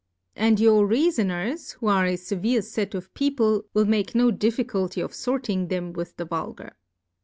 And your Reafoners, who are a fevere fet of People, will make no DiiBculty of for ting them with the Vulgar.